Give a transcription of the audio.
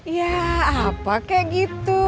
ya apa kayak gitu